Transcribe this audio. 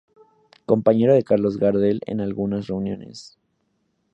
Compañero de Carlos Gardel en algunas reuniones.